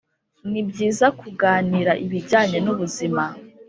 ni byiza kuganira ibijyanye n’ubuzima